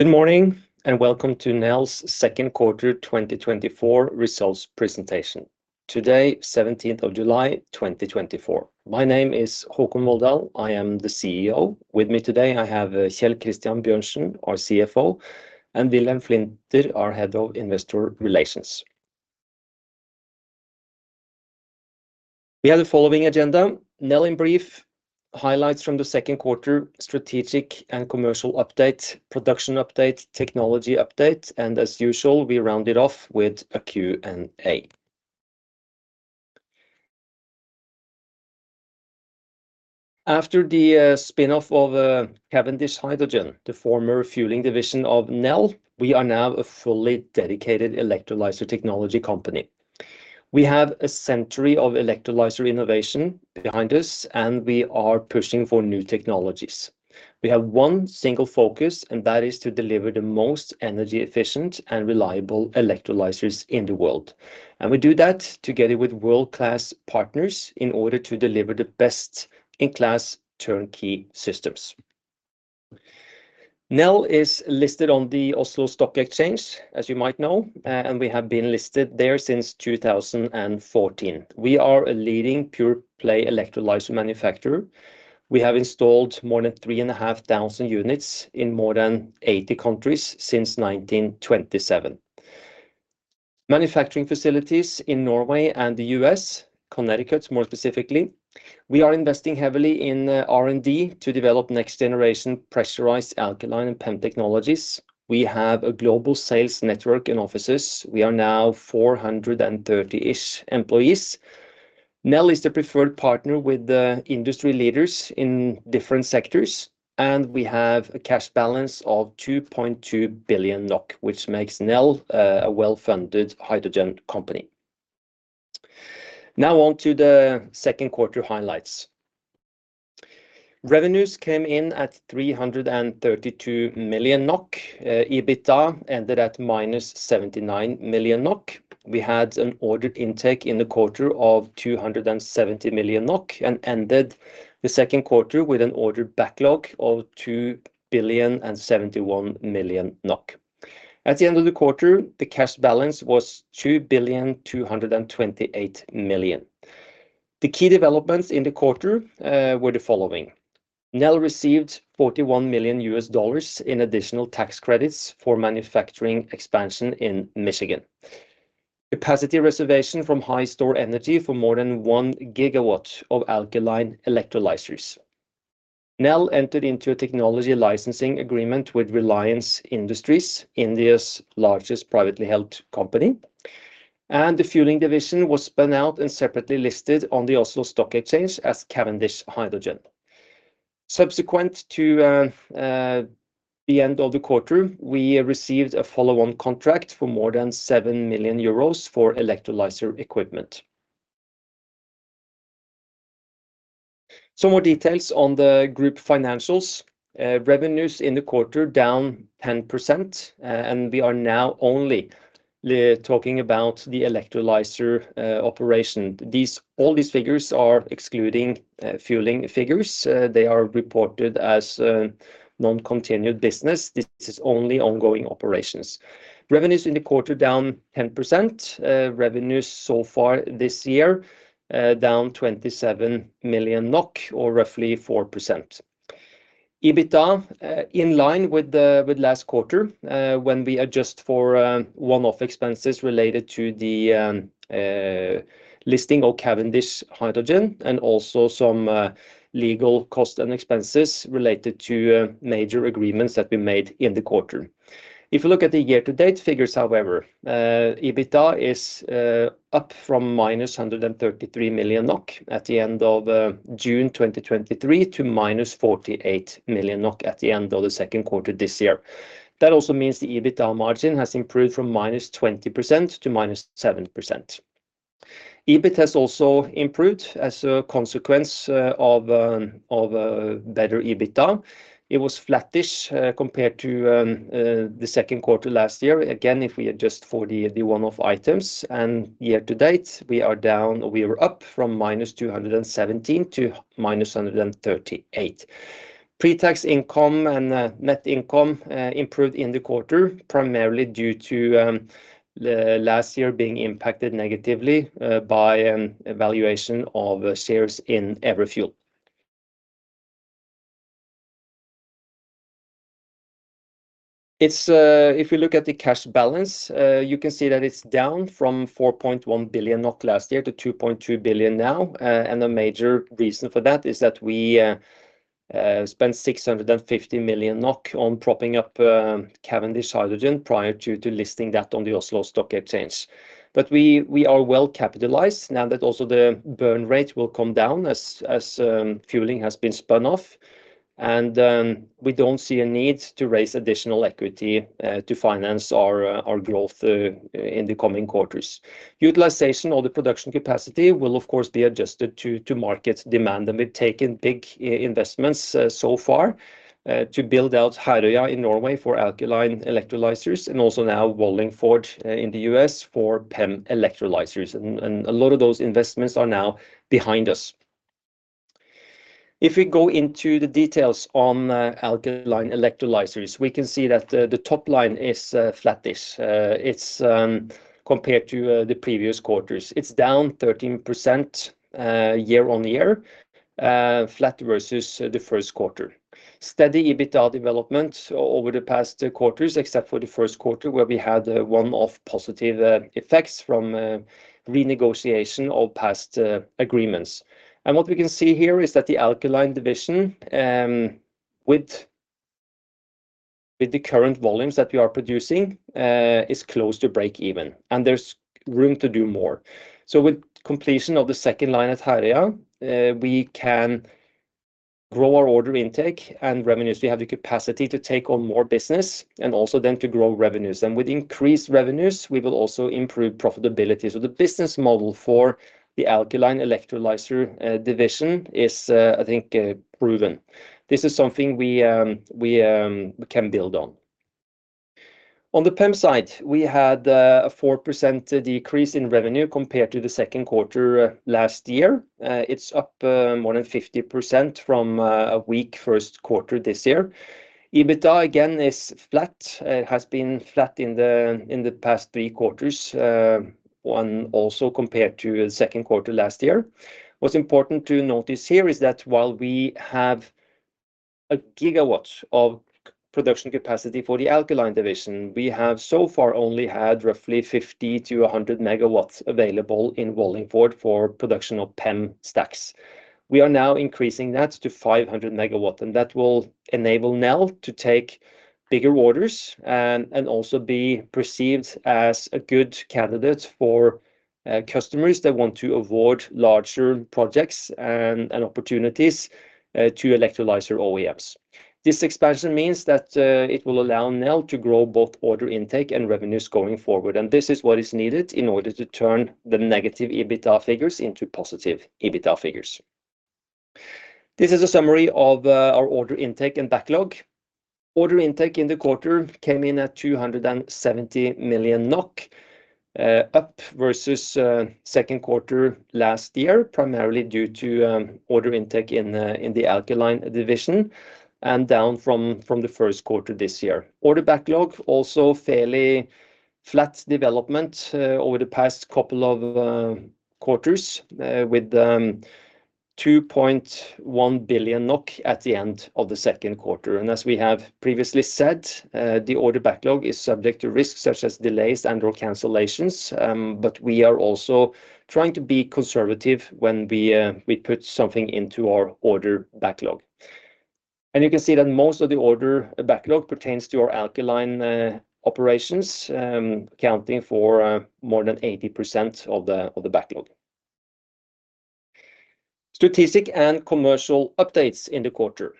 Good morning, and welcome to Nel's Second Quarter 2024 Results Presentation. Today, 17th of July, 2024. My name is Håkon Volldal, I am the CEO. With me today, I have Kjell Christian Bjørnsen, our CFO, and Wilhelm Flinder, our Head of Investor Relations. We have the following agenda: Nel in brief, highlights from the second quarter, strategic and commercial update, production update, technology update, and as usual, we round it off with a Q&A. After the spin-off of Cavendish Hydrogen, the former fueling division of Nel, we are now a fully dedicated electrolyzer technology company. We have a century of electrolyzer innovation behind us, and we are pushing for new technologies. We have one single focus, and that is to deliver the most energy efficient and reliable electrolyzers in the world. We do that together with world-class partners in order to deliver the best-in-class turnkey systems. Nel is listed on the Oslo Stock Exchange, as you might know, and we have been listed there since 2014. We are a leading pure-play electrolyzer manufacturer. We have installed more than 3,500 units in more than 80 countries since 1927. Manufacturing facilities in Norway and the U.S., Connecticut, more specifically. We are investing heavily in R&D to develop next-generation pressurized alkaline and PEM technologies. We have a global sales network and offices. We are now 430-ish employees. Nel is the preferred partner with the industry leaders in different sectors, and we have a cash balance of 2.2 billion NOK, which makes Nel a well-funded hydrogen company. Now on to the second quarter highlights. Revenues came in at 332 million NOK. EBITDA ended at -79 million NOK. We had an order intake in the quarter of 270 million NOK and ended the second quarter with an order backlog of 2,071 million NOK. At the end of the quarter, the cash balance was 2,228 million. The key developments in the quarter were the following: Nel received $41 million in additional tax credits for manufacturing expansion in Michigan. Capacity reservation from Hy Stor Energy for more than 1 GW of alkaline electrolyzers. Nel entered into a technology licensing agreement with Reliance Industries, India's largest privately held company, and the fueling division was spun out and separately listed on the Oslo Stock Exchange as Cavendish Hydrogen. Subsequent to the end of the quarter, we received a follow-on contract for more than 7 million euros for electrolyzer equipment. Some more details on the group financials. Revenues in the quarter down 10%, and we are now only talking about the electrolyzer operation. All these figures are excluding fueling figures. They are reported as non-continued business. This is only ongoing operations. Revenues in the quarter down 10%. Revenues so far this year down 27 million NOK or roughly 4%. EBITDA in line with last quarter when we adjust for one-off expenses related to the listing of Cavendish Hydrogen and also some legal cost and expenses related to major agreements that we made in the quarter. If you look at the year-to-date figures, however, EBITDA is up from -133 million NOK at the end of June 2023 to -48 million NOK at the end of the second quarter this year. That also means the EBITDA margin has improved from -20% to -7%. EBIT has also improved as a consequence of better EBITDA. It was flattish compared to the second quarter last year. Again, if we adjust for the one-off items and year-to-date, we are down... We are up from -217 to -138. Pre-tax income and net income improved in the quarter, primarily due to the last year being impacted negatively by a valuation of shares in Everfuel. It's, if you look at the cash balance, you can see that it's down from 4.1 billion NOK last year to 2.2 billion now. And the major reason for that is that we spent 650 million NOK on propping up Cavendish Hydrogen prior to listing that on the Oslo Stock Exchange. But we are well capitalized now that also the burn rate will come down as fueling has been spun off. And we don't see a need to raise additional equity to finance our growth in the coming quarters. Utilization of the production capacity will of course be adjusted to market demand, and we've taken big investments so far to build out Herøya in Norway for alkaline electrolyzers and also now Wallingford in the U.S. for PEM electrolyzers. A lot of those investments are now behind us. If we go into the details on alkaline electrolyzers, we can see that the top line is flattish. It's compared to the previous quarters, it's down 13% year-on-year, flat versus the first quarter. Steady EBITDA development over the past quarters, except for the first quarter, where we had a one-off positive effects from a renegotiation of past agreements. What we can see here is that the alkaline division, with the current volumes that we are producing, is close to break even, and there's room to do more. So with completion of the second line at Herøya, we can grow our order intake and revenues. We have the capacity to take on more business and also then to grow revenues. And with increased revenues, we will also improve profitability. So the business model for the alkaline electrolyzer division is, I think, proven. This is something we can build on. On the PEM side, we had a 4% decrease in revenue compared to the second quarter last year. It's up more than 50% from a weak first quarter this year. EBITDA, again, is flat, has been flat in the past three quarters, one also compared to the second quarter last year. What's important to notice here is that while we have 1 GW of production capacity for the alkaline division, we have so far only had roughly 50-100 MW available in Wallingford for production of PEM stacks. We are now increasing that to 500 MW, and that will enable Nel to take bigger orders and, and also be perceived as a good candidate for, customers that want to award larger projects and, and opportunities, to electrolyzer OEMs. This expansion means that, it will allow Nel to grow both order intake and revenues going forward, and this is what is needed in order to turn the negative EBITDA figures into positive EBITDA figures. This is a summary of our order intake and backlog. Order intake in the quarter came in at 270 million NOK, up versus second quarter last year, primarily due to order intake in the alkaline division and down from the first quarter this year. Order backlog also fairly flat development over the past couple of quarters, with 2.1 billion NOK at the end of the second quarter. As we have previously said, the order backlog is subject to risks such as delays and/or cancellations. But we are also trying to be conservative when we put something into our order backlog. You can see that most of the order backlog pertains to our alkaline operations, accounting for more than 80% of the backlog. Strategic and commercial updates in the quarter.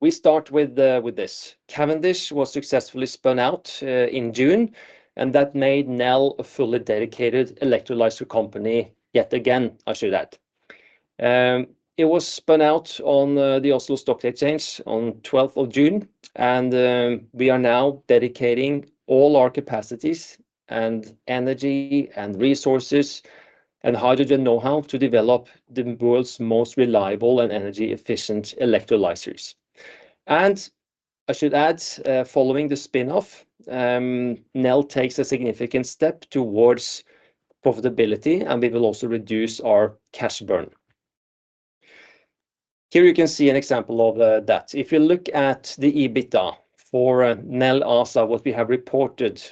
We start with this. Cavendish was successfully spun out in June, and that made Nel a fully dedicated electrolyzer company yet again, I should add. It was spun out on the Oslo Stock Exchange on twelfth of June, and we are now dedicating all our capacities and energy and resources and hydrogen know-how to develop the world's most reliable and energy-efficient electrolyzers. And I should add, following the spin-off, Nel takes a significant step towards profitability, and we will also reduce our cash burn. Here you can see an example of that. If you look at the EBITDA for Nel ASA, what we have reported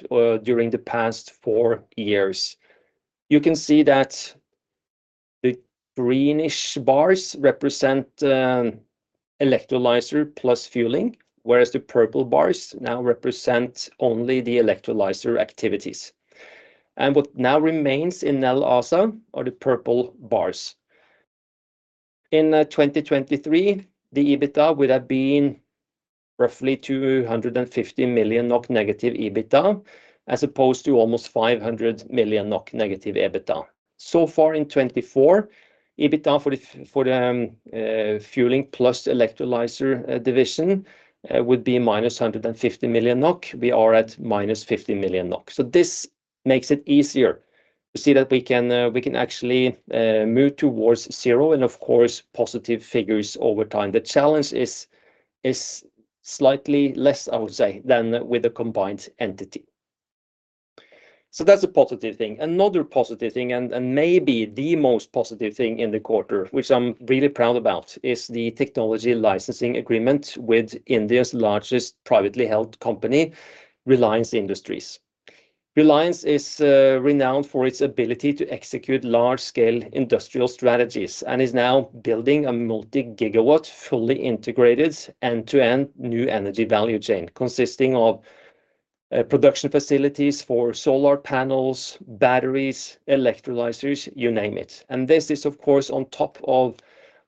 during the past four years, you can see that the greenish bars represent electrolyzer plus fueling, whereas the purple bars now represent only the electrolyzer activities. What now remains in Nel ASA are the purple bars. In 2023, the EBITDA would have been roughly 250 million NOK negative EBITDA, as opposed to almost 500 million NOK negative EBITDA. So far in 2024, EBITDA for the fueling plus electrolyzer division would be minus 150 million NOK. We are at minus 50 million NOK. So this makes it easier to see that we can actually move towards zero and of course, positive figures over time. The challenge is slightly less, I would say, than with a combined entity. So that's a positive thing. Another positive thing, and maybe the most positive thing in the quarter, which I'm really proud about, is the technology licensing agreement with India's largest privately held company, Reliance Industries. Reliance is renowned for its ability to execute large-scale industrial strategies and is now building a multi-gigawatt, fully integrated, end-to-end new energy value chain consisting of production facilities for solar panels, batteries, electrolyzers, you name it. This is, of course, on top of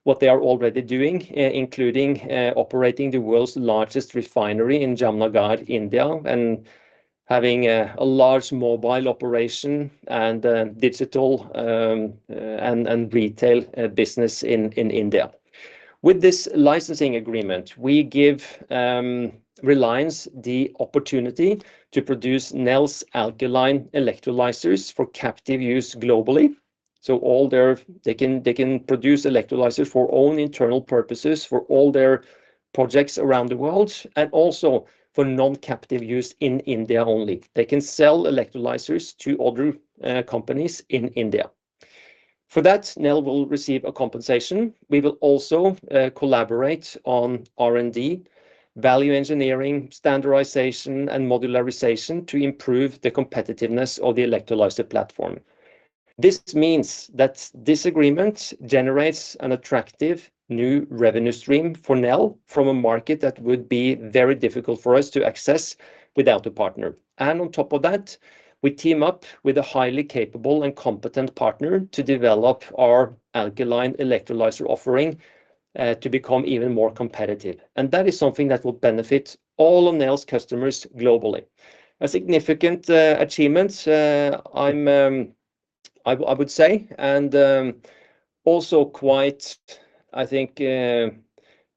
what they are already doing, including operating the world's largest refinery in Jamnagar, India, and having a large mobile operation and digital and retail business in India. With this licensing agreement, we give Reliance the opportunity to produce Nel's alkaline electrolyzers for captive use globally. So they can produce electrolyzers for own internal purposes, for all their projects around the world, and also for non-captive use in India only. They can sell electrolyzers to other companies in India. For that, Nel will receive a compensation. We will also collaborate on R&D, value engineering, standardization, and modularization to improve the competitiveness of the electrolyzer platform. This means that this agreement generates an attractive new revenue stream for Nel from a market that would be very difficult for us to access without a partner. And on top of that, we team up with a highly capable and competent partner to develop our alkaline electrolyzer offering to become even more competitive. And that is something that will benefit all of Nel's customers globally. A significant achievement, I would say, and also quite, I think,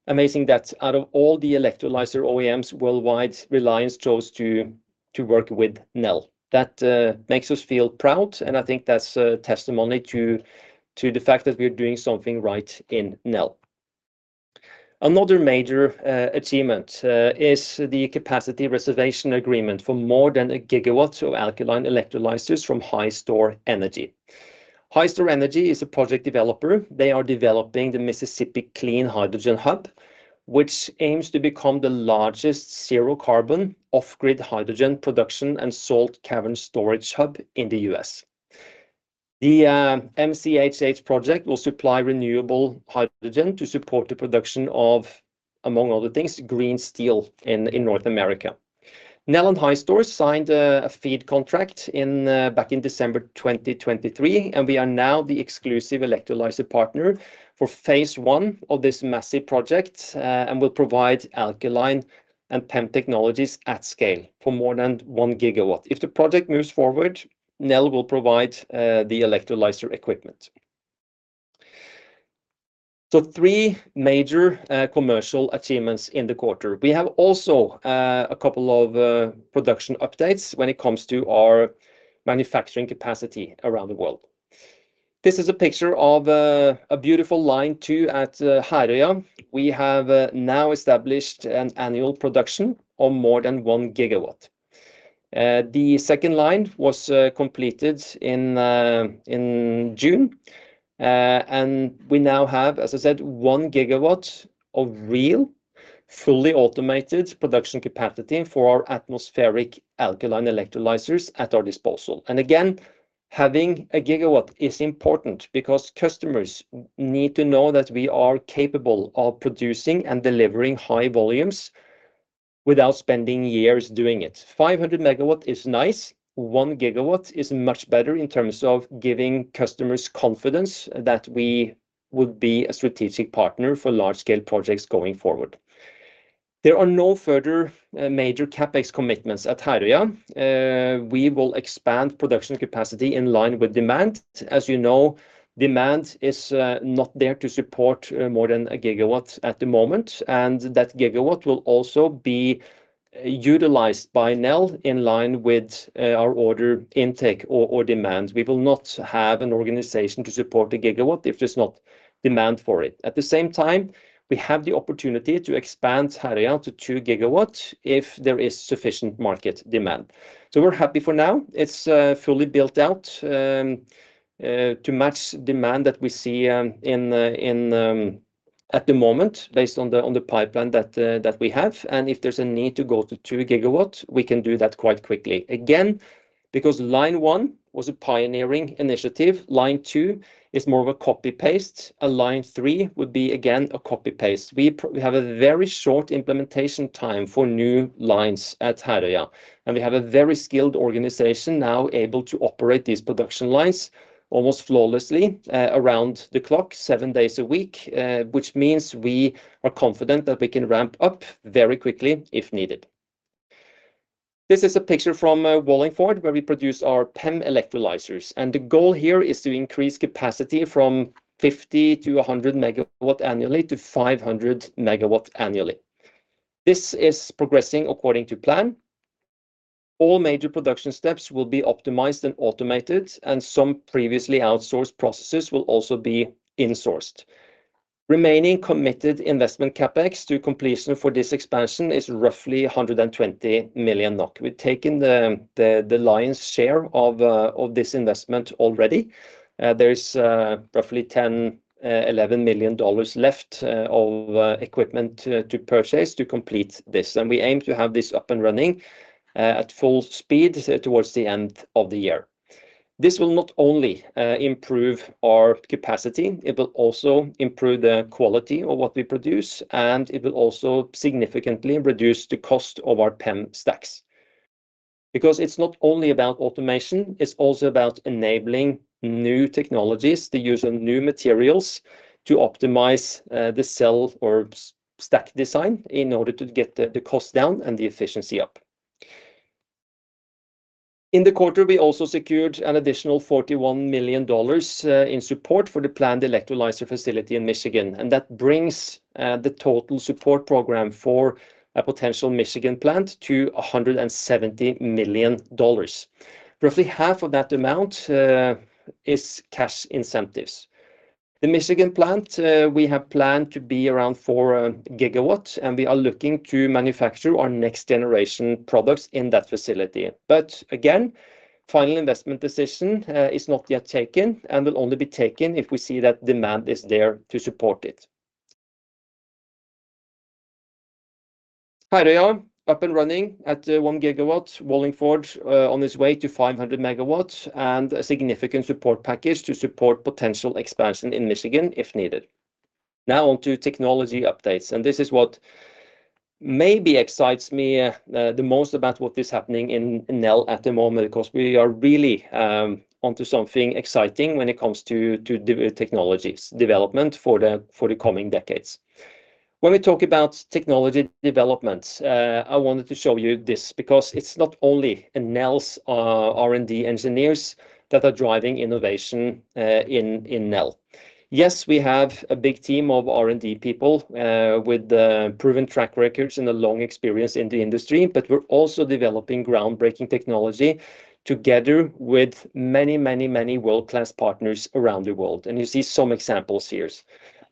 amazing that out of all the electrolyzer OEMs worldwide, Reliance chose to work with Nel. That makes us feel proud, and I think that's a testimony to the fact that we're doing something right in Nel. Another major achievement is the capacity reservation agreement for more than 1 GW of alkaline electrolyzers from Hy Stor Energy. Hy Stor Energy is a project developer. They are developing the Mississippi Clean Hydrogen Hub, which aims to become the largest zero carbon, off-grid hydrogen production and salt cavern storage hub in the U.S. The MCHH project will supply renewable hydrogen to support the production of, among other things, green steel in North America. Nel and Hy Stor signed a FEED contract back in December 2023, and we are now the exclusive electrolyzer partner for phase one of this massive project, and will provide alkaline and PEM technologies at scale for more than 1 GW. If the project moves forward, Nel will provide the electrolyzer equipment. So three major commercial achievements in the quarter. We have also a couple of production updates when it comes to our manufacturing capacity around the world. This is a picture of a beautiful line two at Herøya. We have now established an annual production of more than 1 GW. The second line was completed in in June. And we now have, as I said, 1 GW of real, fully automated production capacity for our atmospheric alkaline electrolyzers at our disposal. And again, having a gigawatt is important because customers need to know that we are capable of producing and delivering high volumes without spending years doing it. 500 MW is nice. 1 GW is much better in terms of giving customers confidence that we would be a strategic partner for large-scale projects going forward. There are no further major CapEx commitments at Herøya. We will expand production capacity in line with demand. As you know, demand is not there to support more than a gigawatt at the moment, and that gigawatt will also be utilized by Nel in line with our order intake or demand. We will not have an organization to support a gigawatt if there's not demand for it. At the same time, we have the opportunity to expand Herøya to two gigawatts if there is sufficient market demand. So we're happy for now. It's fully built out to match demand that we see in at the moment, based on the pipeline that we have. And if there's a need to go to two gigawatt, we can do that quite quickly. Again, because line one was a pioneering initiative, line two is more of a copy-paste. A line three would be, again, a copy-paste. We have a very short implementation time for new lines at Herøya, and we have a very skilled organization now able to operate these production lines almost flawlessly, around the clock, seven days a week. Which means we are confident that we can ramp up very quickly if needed. This is a picture from Wallingford, where we produce our PEM electrolyzers, and the goal here is to increase capacity from 50-100 MW annually to 500 MW annually. This is progressing according to plan. All major production steps will be optimized and automated, and some previously outsourced processes will also be insourced. Remaining committed investment CapEx to completion for this expansion is roughly 120 million NOK. We've taken the lion's share of this investment already. There is roughly $10 million-$11 million left of equipment to purchase to complete this, and we aim to have this up and running at full speed towards the end of the year. This will not only improve our capacity, it will also improve the quality of what we produce, and it will also significantly reduce the cost of our PEM stacks. Because it's not only about automation, it's also about enabling new technologies, the use of new materials to optimize the cell or stack design in order to get the cost down and the efficiency up. In the quarter, we also secured an additional $41 million in support for the planned electrolyzer facility in Michigan, and that brings the total support program for a potential Michigan plant to $170 million. Roughly half of that amount is cash incentives. The Michigan plant we have planned to be around 4 GW, and we are looking to manufacture our next generation products in that facility. But again, final investment decision is not yet taken and will only be taken if we see that demand is there to support it. Herøya up and running at 1 GW. Wallingford on its way to 500 MW, and a significant support package to support potential expansion in Michigan, if needed. Now on to technology updates, and this is what maybe excites me the most about what is happening in Nel at the moment, 'cause we are really onto something exciting when it comes to the technologies development for the coming decades. When we talk about technology developments, I wanted to show you this, because it's not only Nel's R&D engineers that are driving innovation in Nel. Yes, we have a big team of R&D people with proven track records and a long experience in the industry, but we're also developing groundbreaking technology together with many, many, many world-class partners around the world, and you see some examples here.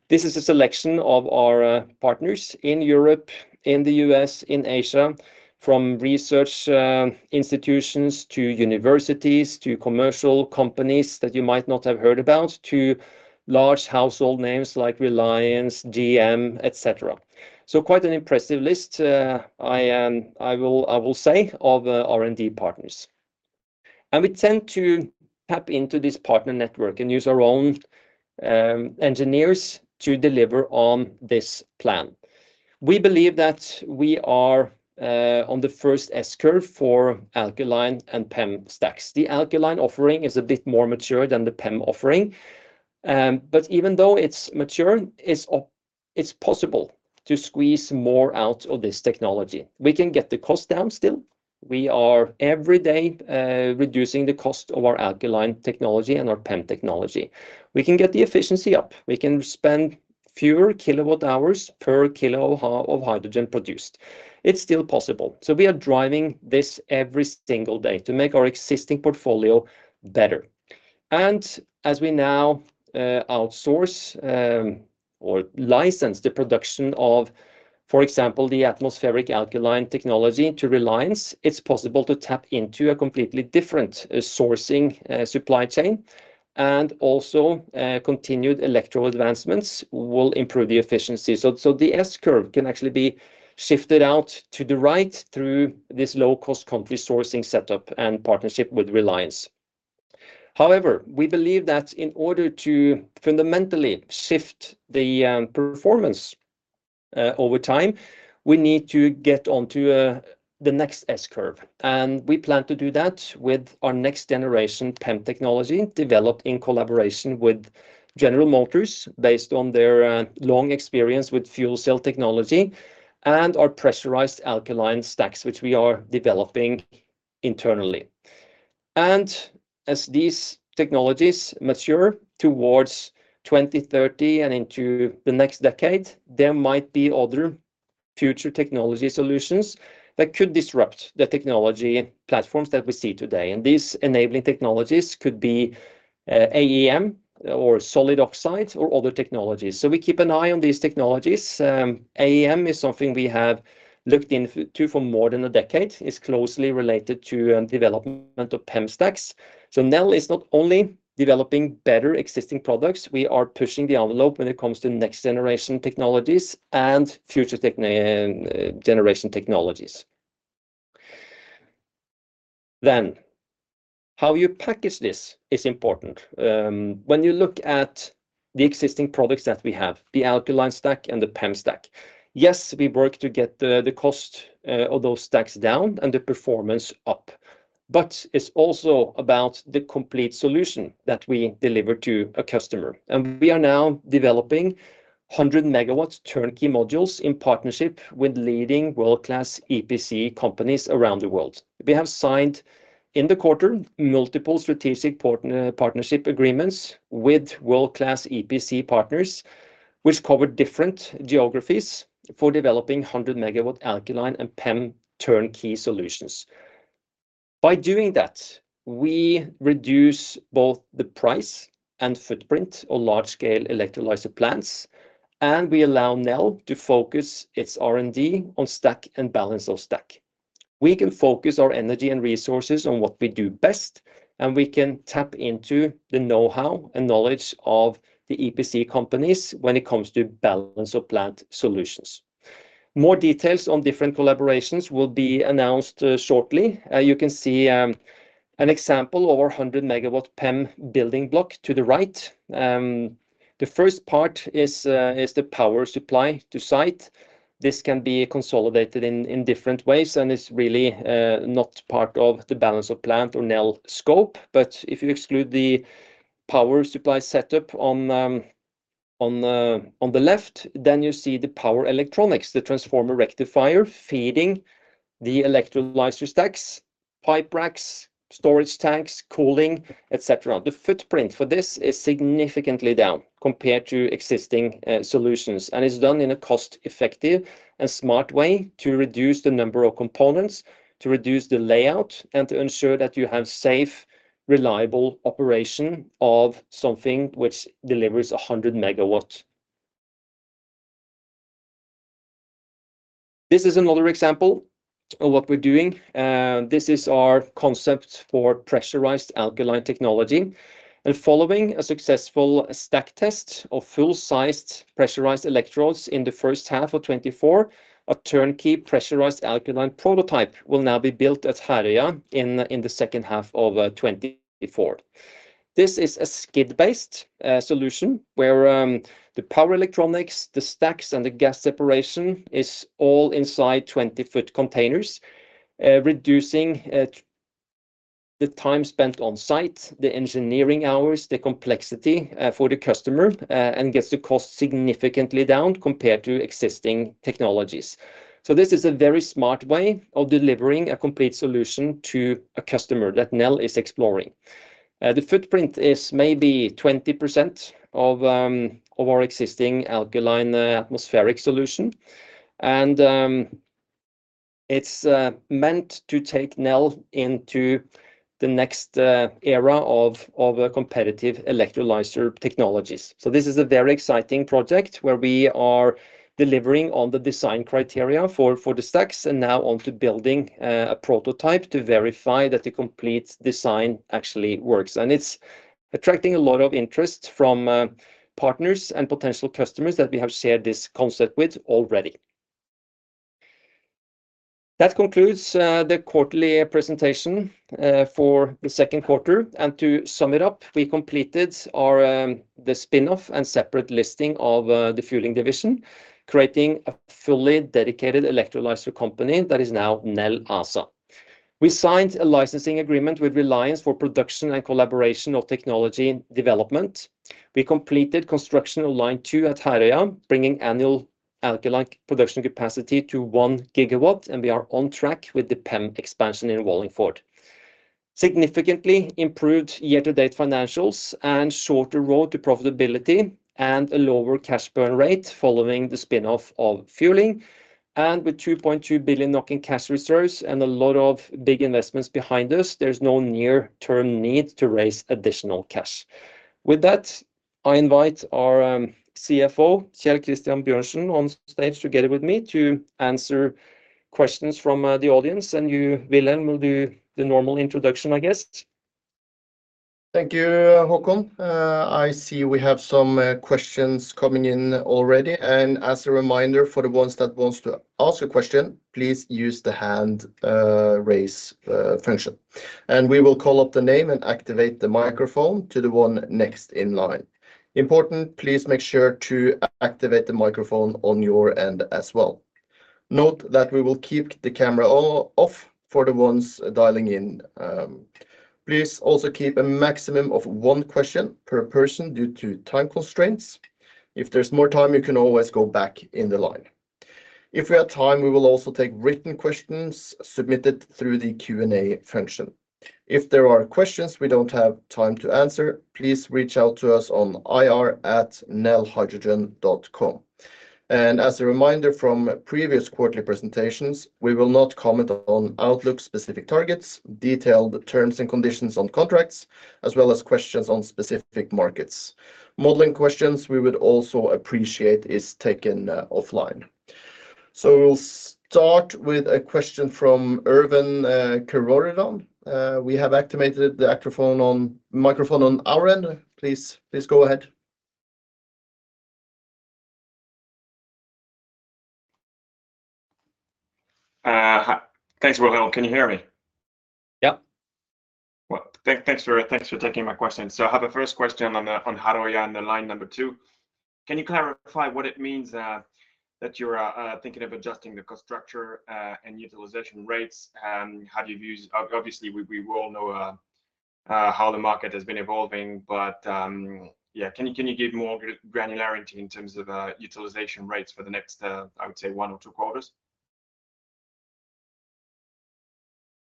This is a selection of our partners in Europe, in the U.S., in Asia, from research institutions, to universities, to commercial companies that you might not have heard about, to large household names like Reliance, GM, et cetera. So quite an impressive list, I will say, of R&D partners. We tend to tap into this partner network and use our own engineers to deliver on this plan. We believe that we are on the first S-curve for alkaline and PEM stacks. The alkaline offering is a bit more mature than the PEM offering. But even though it's mature, it's possible to squeeze more out of this technology. We can get the cost down still. We are every day reducing the cost of our alkaline technology and our PEM technology. We can get the efficiency up. We can spend fewer kilowatt hours per kilo of hydrogen produced. It's still possible. So we are driving this every single day to make our existing portfolio better. And as we now outsource or license the production of, for example, the atmospheric alkaline technology to Reliance, it's possible to tap into a completely different sourcing supply chain, and also continued electrolyzer advancements will improve the efficiency. So the S-curve can actually be shifted out to the right through this low-cost country sourcing setup and partnership with Reliance. However, we believe that in order to fundamentally shift the performance over time, we need to get onto the next S-curve, and we plan to do that with our next generation PEM technology, developed in collaboration with General Motors, based on their long experience with fuel cell technology and our pressurized alkaline stacks, which we are developing internally. As these technologies mature towards 2030 and into the next decade, there might be other future technology solutions that could disrupt the technology platforms that we see today, and these enabling technologies could be AEM, or solid oxides, or other technologies. We keep an eye on these technologies. AEM is something we have looked into for more than a decade, is closely related to development of PEM stacks. Nel is not only developing better existing products, we are pushing the envelope when it comes to next-generation technologies and future technologies. Then, how you package this is important. When you look at the existing products that we have, the alkaline stack and the PEM stack, yes, we work to get the cost of those stacks down and the performance up, but it's also about the complete solution that we deliver to a customer. We are now developing 100 MW turnkey modules in partnership with leading world-class EPC companies around the world. We have signed in the quarter multiple strategic partnership agreements with world-class EPC partners, which cover different geographies for developing 100 MW alkaline and PEM turnkey solutions. By doing that, we reduce both the price and footprint of large-scale electrolyzer plants, and we allow Nel to focus its R&D on stack and balance of stack. We can focus our energy and resources on what we do best, and we can tap into the know-how and knowledge of the EPC companies when it comes to balance of plant solutions. More details on different collaborations will be announced shortly. You can see an example of our 100 MW PEM building block to the right. The first part is the power supply to site. This can be consolidated in different ways and is really not part of the balance of plant or Nel scope. But if you exclude the power supply setup on the left, then you see the power electronics, the transformer rectifier feeding the electrolyzer stacks, pipe racks, storage tanks, cooling, et cetera. The footprint for this is significantly down compared to existing solutions and is done in a cost-effective and smart way to reduce the number of components, to reduce the layout, and to ensure that you have safe, reliable operation of something which delivers 100 MW. This is another example of what we're doing. This is our concept for pressurized alkaline technology, and following a successful stack test of full-sized pressurized electrodes in the first half of 2024, a turnkey pressurized alkaline prototype will now be built at Herøya in the second half of 2024. This is a skid-based solution, where the power electronics, the stacks, and the gas separation is all inside 20-foot containers, reducing the time spent on site, the engineering hours, the complexity for the customer, and gets the cost significantly down compared to existing technologies. So this is a very smart way of delivering a complete solution to a customer that Nel is exploring. The footprint is maybe 20% of our existing alkaline atmospheric solution, and it's meant to take Nel into the next era of competitive electrolyzer technologies. So this is a very exciting project, where we are delivering on the design criteria for the stacks, and now on to building a prototype to verify that the complete design actually works. It's attracting a lot of interest from partners and potential customers that we have shared this concept with already. That concludes the quarterly presentation for the second quarter. To sum it up, we completed the spin-off and separate listing of the fueling division, creating a fully dedicated electrolyzer company that is now Nel ASA. We signed a licensing agreement with Reliance for production and collaboration of technology development. We completed construction of line two at Herøya, bringing annual alkaline production capacity to 1 GW, and we are on track with the PEM expansion in Wallingford. Significantly improved year-to-date financials, and shorter road to profitability, and a lower cash burn rate following the spin-off of fueling. With 2.2 billion in cash reserves and a lot of big investments behind us, there's no near-term need to raise additional cash. With that, I invite our CFO, Kjell Christian Bjørnsen, on stage together with me to answer questions from the audience. You, Wilhelm, will do the normal introduction, I guess. Thank you, Håkon. I see we have some questions coming in already. And as a reminder, for the ones that wants to ask a question, please use the hand raise function, and we will call up the name and activate the microphone to the one next in line. Important, please make sure to activate the microphone on your end as well. Note that we will keep the camera off for the ones dialing in. Please also keep a maximum of one question per person due to time constraints. If there's more time, you can always go back in the line. If we have time, we will also take written questions submitted through the Q&A function. If there are questions we don't have time to answer, please reach out to us on ir@nelhydrogen.com. And as a reminder from previous quarterly presentations, we will not comment on outlook-specific targets, detailed terms and conditions on contracts, as well as questions on specific markets. Modeling questions, we would also appreciate is taken offline. So we'll start with a question from Erwan Kerouredan. We have activated the microphone on microphone on our end. Please, please go ahead. Hi. Thanks, Wilhelm. Can you hear me? Yep. Well, thanks for taking my question. So I have a first question on the, on Herøya on the line number two. Can you clarify what it means that you're thinking of adjusting the cost structure and utilization rates? And how do you view... Obviously, we all know how the market has been evolving, but yeah, can you give more granularity in terms of utilization rates for the next, I would say, one or two quarters?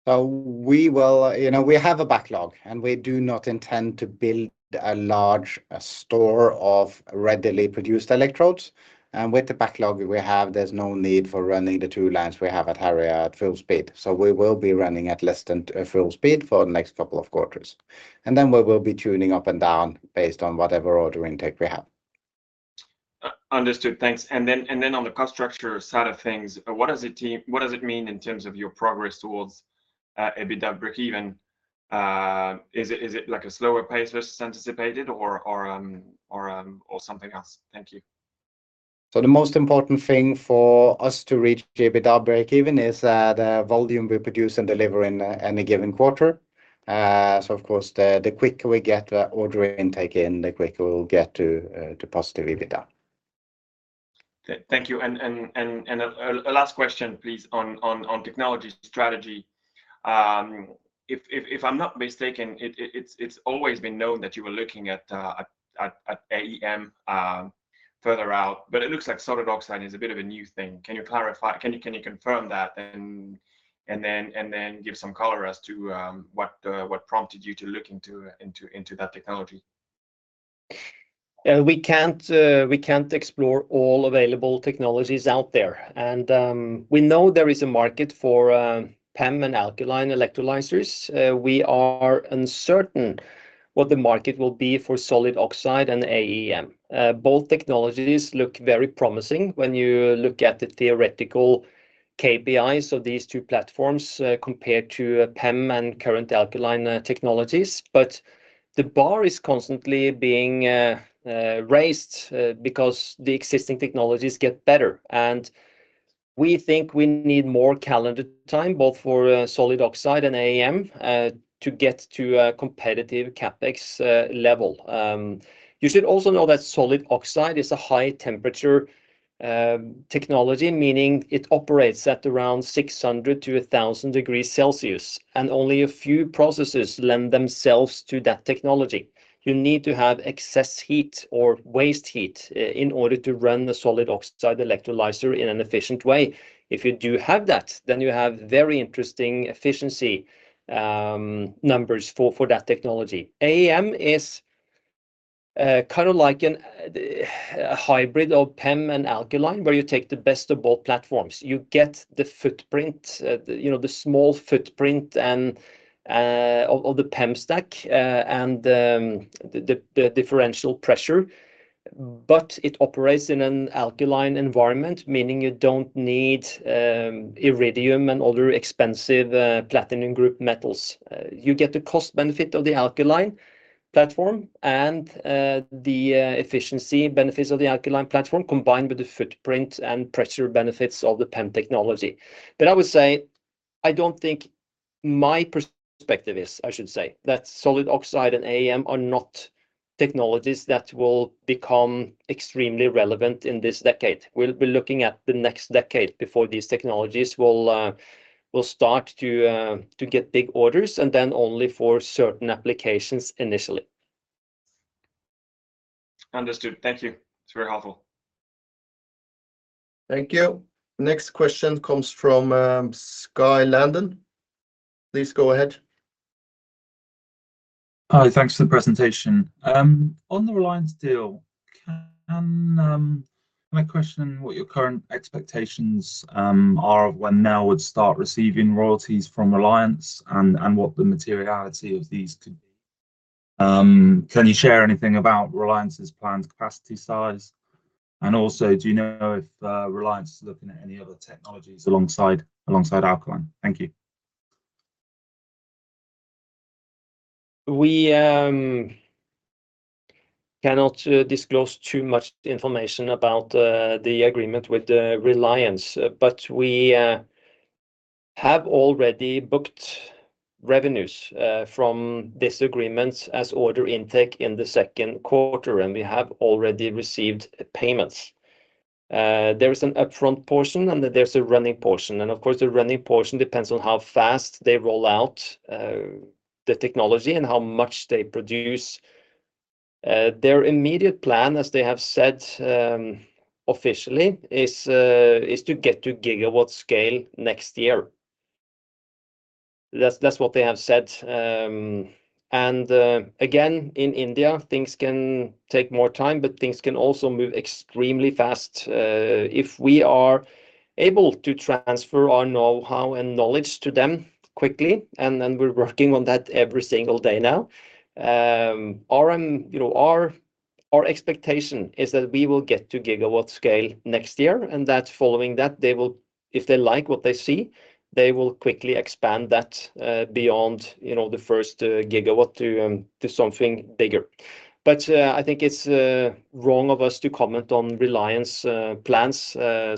We will... You know, we have a backlog, and we do not intend to build a large store of readily produced electrodes. And with the backlog we have, there's no need for running the two lines we have at Herøya at full speed. So we will be running at less than full speed for the next couple of quarters, and then we will be tuning up and down based on whatever order intake we have. Understood. Thanks. And then on the cost structure side of things, what does it mean in terms of your progress towards EBITDA breakeven? Is it like a slower pace versus anticipated or something else? Thank you. The most important thing for us to reach EBITDA breakeven is the volume we produce and deliver in any given quarter. Of course, the quicker we get the order intake in, the quicker we'll get to positive EBITDA. Thank you. And a last question, please, on technology strategy. If I'm not mistaken, it's always been known that you were looking at AEM further out, but it looks like solid oxide is a bit of a new thing. Can you clarify? Can you confirm that, and then give some color as to what prompted you to look into that technology?... we can't, we can't explore all available technologies out there. And, we know there is a market for, PEM and alkaline electrolyzers. We are uncertain what the market will be for solid oxide and AEM. Both technologies look very promising when you look at the theoretical KPIs of these two platforms, compared to PEM and current alkaline, technologies. But the bar is constantly being, raised, because the existing technologies get better. And we think we need more calendar time, both for, solid oxide and AEM, to get to a competitive CapEx, level. You should also know that solid oxide is a high-temperature, technology, meaning it operates at around 600-1,000 degrees Celsius, and only a few processes lend themselves to that technology. You need to have excess heat or waste heat in order to run the solid oxide electrolyzer in an efficient way. If you do have that, then you have very interesting efficiency numbers for that technology. AEM is kind of like a hybrid of PEM and alkaline, where you take the best of both platforms. You get the footprint, you know, the small footprint and of the PEM stack, and the differential pressure, but it operates in an alkaline environment, meaning you don't need iridium and other expensive platinum group metals. You get the cost benefit of the alkaline platform and the efficiency benefits of the alkaline platform, combined with the footprint and pressure benefits of the PEM technology. But I would say, my perspective is, I should say, that solid oxide and AEM are not technologies that will become extremely relevant in this decade. We'll be looking at the next decade before these technologies will start to get big orders, and then only for certain applications initially. Understood. Thank you. It's very helpful. Thank you. Next question comes from, Skye Landon. Please go ahead. Hi, thanks for the presentation. On the Reliance deal, can I question what your current expectations are of when Nel would start receiving royalties from Reliance and what the materiality of these could be? Can you share anything about Reliance's planned capacity size? And also, do you know if Reliance is looking at any other technologies alongside alkaline? Thank you. We cannot disclose too much information about the agreement with Reliance. But we have already booked revenues from this agreement as order intake in the second quarter, and we have already received payments. There is an upfront portion, and then there's a running portion, and of course, the running portion depends on how fast they roll out the technology and how much they produce. Their immediate plan, as they have said officially, is to get to gigawatt scale next year. That's what they have said. And again, in India, things can take more time, but things can also move extremely fast. If we are able to transfer our know-how and knowledge to them quickly, and then we're working on that every single day now, you know, our expectation is that we will get to gigawatt scale next year, and that following that, they will... If they like what they see, they will quickly expand that, beyond, you know, the first gigawatt to to something bigger. But I think it's wrong of us to comment on Reliance plans.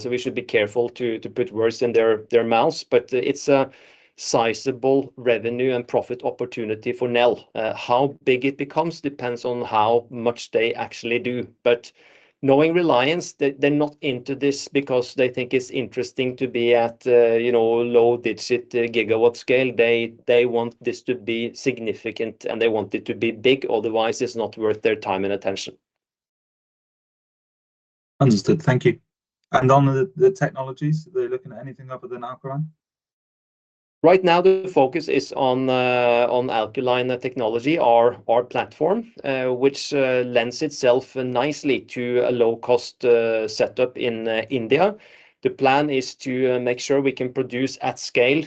So we should be careful to put words in their mouths, but it's a sizable revenue and profit opportunity for Nel. How big it becomes depends on how much they actually do. But knowing Reliance, they're not into this because they think it's interesting to be at, you know, low-digit gigawatt scale. They want this to be significant, and they want it to be big, otherwise it's not worth their time and attention. Understood. Thank you. And on the technologies, are they looking at anything other than alkaline? Right now, the focus is on alkaline technology, our platform, which lends itself nicely to a low-cost setup in India. The plan is to make sure we can produce at scale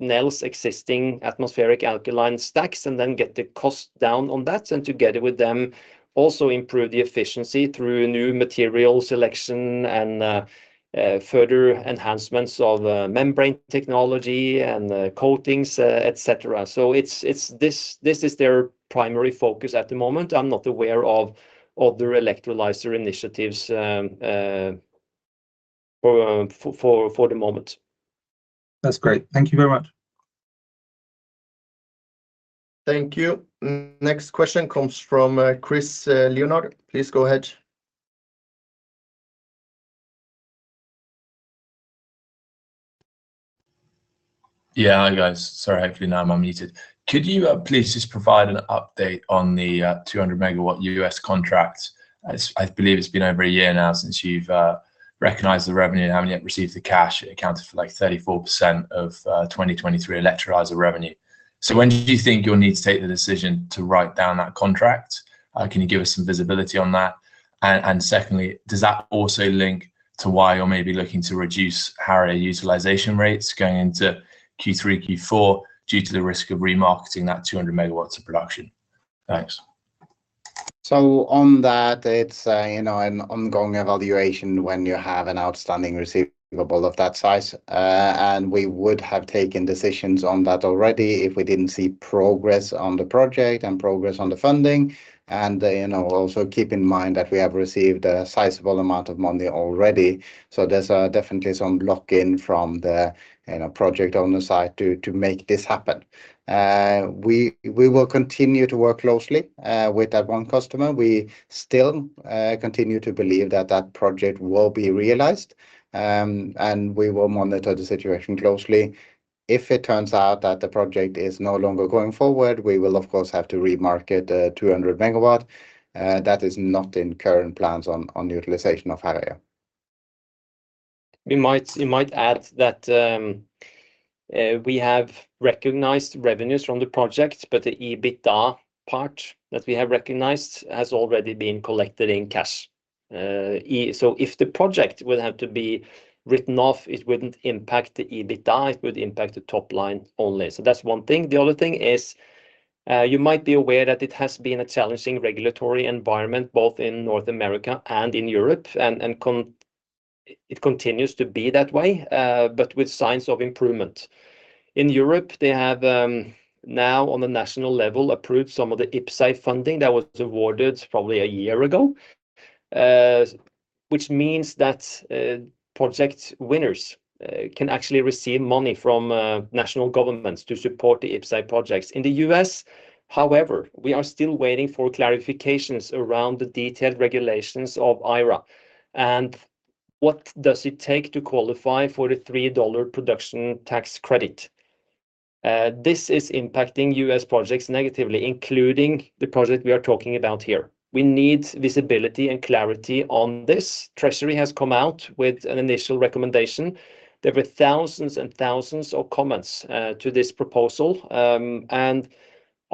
Nel's existing atmospheric alkaline stacks and then get the cost down on that, and together with them, also improve the efficiency through new material selection and further enhancements of membrane technology and coatings, et cetera. So it's this, this is their primary focus at the moment. I'm not aware of other electrolyzer initiatives for the moment. That's great. Thank you very much. Thank you. Next question comes from, Chris, Leonard. Please go ahead. Yeah, hi, guys. Sorry, hopefully now I'm unmuted. Could you please just provide an update on the 200 MW U.S. contracts? It's, I believe it's been over a year now since you've recognized the revenue and haven't yet received the cash. It accounted for, like, 34% of 2023 electrolyzer revenue. So when do you think you'll need to take the decision to write down that contract? Can you give us some visibility on that? And secondly, does that also link to why you're maybe looking to reduce Herøya utilization rates going into Q3, Q4, due to the risk of remarketing that 200 MW of production? Thanks. So on that, it's, you know, an ongoing evaluation when you have an outstanding receivable of that size. And we would have taken decisions on that already if we didn't see progress on the project and progress on the funding. And, you know, also keep in mind that we have received a sizable amount of money already, so there's, definitely some lock-in from the, you know, project owner side to make this happen. We will continue to work closely with that one customer. We still continue to believe that that project will be realized. And we will monitor the situation closely. If it turns out that the project is no longer going forward, we will, of course, have to remarket the 200 MW. That is not in current plans on the utilization of Herøya. We might, we might add that, we have recognized revenues from the project, but the EBITDA part that we have recognized has already been collected in cash. So if the project will have to be written off, it wouldn't impact the EBITDA, it would impact the top line only. So that's one thing. The other thing is, you might be aware that it has been a challenging regulatory environment, both in North America and in Europe, and it continues to be that way, but with signs of improvement. In Europe, they have, now, on the national level, approved some of the IPCEI funding that was awarded probably a year ago. Which means that, project winners, can actually receive money from, national governments to support the IPCEI projects. In the U.S., however, we are still waiting for clarifications around the detailed regulations of IRA, and what does it take to qualify for the $3 production tax credit? This is impacting U.S. projects negatively, including the project we are talking about here. We need visibility and clarity on this. Treasury has come out with an initial recommendation. There were thousands and thousands of comments to this proposal. And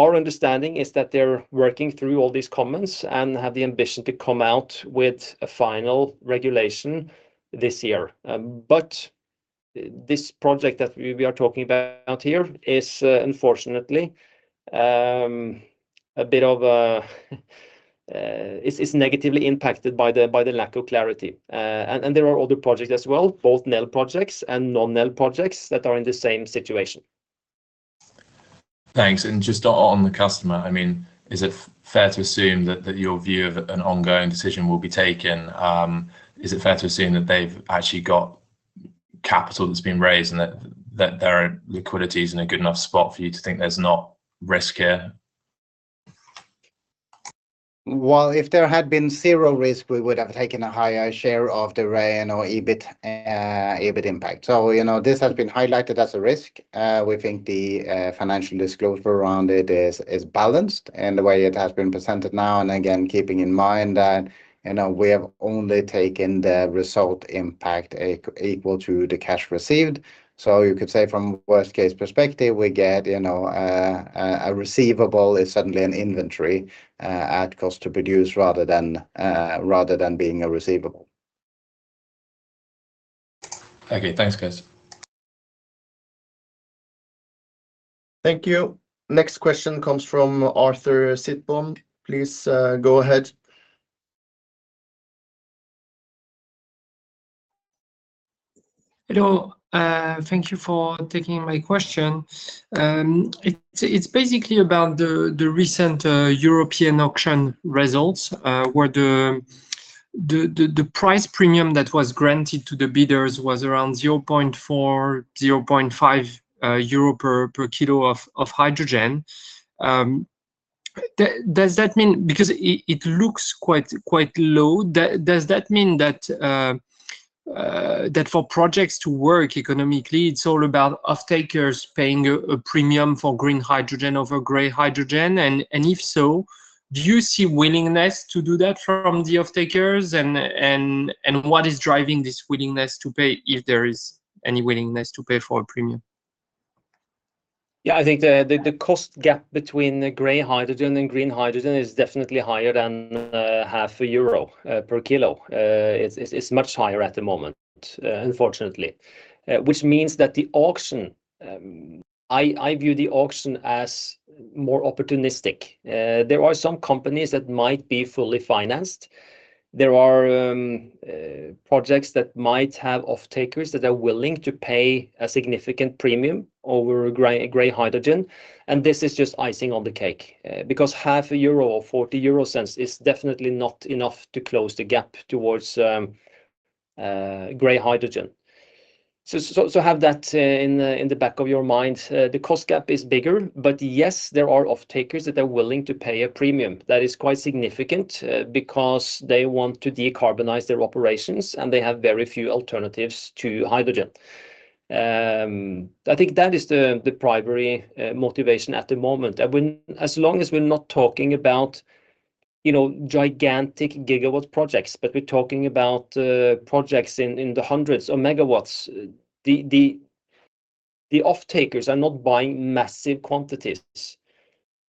our understanding is that they're working through all these comments and have the ambition to come out with a final regulation this year. But this project that we are talking about here is unfortunately a bit of... It's negatively impacted by the lack of clarity. And there are other projects as well, both Nel projects and non-Nel projects that are in the same situation. Thanks. Just on the customer, I mean, is it fair to assume that your view of an ongoing decision will be taken? Is it fair to assume that they've actually got capital that's been raised, and that their liquidity is in a good enough spot for you to think there's not risk here? Well, if there had been zero risk, we would have taken a higher share of the R&O, EBIT, EBIT impact. So, you know, this has been highlighted as a risk. We think the financial disclosure around it is balanced, and the way it has been presented now, and again, keeping in mind that, you know, we have only taken the result impact equal to the cash received. So you could say from a worst-case perspective, we get, you know, a receivable is suddenly an inventory at cost to produce rather than rather than being a receivable. Okay. Thanks, guys. Thank you. Next question comes from Arthur Sitbon. Please, go ahead. Hello, thank you for taking my question. It's basically about the recent European auction results, where the price premium that was granted to the bidders was around 0.4-0.5 euro per kilo of hydrogen. Does that mean... Because it looks quite low. Does that mean that for projects to work economically, it's all about off-takers paying a premium for green hydrogen over gray hydrogen? And if so, do you see willingness to do that from the off-takers, and what is driving this willingness to pay, if there is any willingness to pay for a premium? Yeah, I think the cost gap between the gray hydrogen and green hydrogen is definitely higher than EUR 0.5 per kilo. It's much higher at the moment, unfortunately. Which means that the auction I view the auction as more opportunistic. There are some companies that might be fully financed. There are projects that might have off-takers that are willing to pay a significant premium over gray hydrogen, and this is just icing on the cake. Because EUR 0.5 or 0.4 is definitely not enough to close the gap towards gray hydrogen. So have that in the back of your mind. The cost gap is bigger, but yes, there are off-takers that are willing to pay a premium. That is quite significant, because they want to decarbonize their operations, and they have very few alternatives to hydrogen. I think that is the primary motivation at the moment. And as long as we're not talking about you know, gigantic gigawatt projects, but we're talking about projects in the hundreds of megawatts. The offtakers are not buying massive quantities,